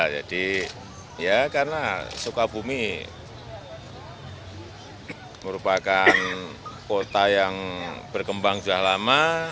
jadi ya karena sukabumi merupakan kota yang berkembang sudah lama